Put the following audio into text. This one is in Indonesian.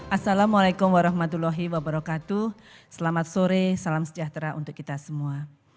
assalamualaikum warahmatullahi wabarakatuh selamat sore salam sejahtera untuk kita semua